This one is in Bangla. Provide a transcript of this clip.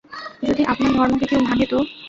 যদি আপনার ধর্মকে কেউ ভাঙে তো?